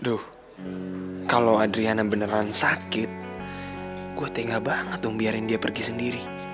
aduh kalau adriana beneran sakit gue tega banget dong biarin dia pergi sendiri